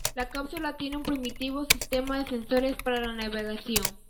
La cápsula tiene un primitivo sistema de sensores para la navegación.